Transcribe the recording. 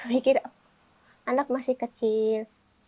mikir anak masih kecil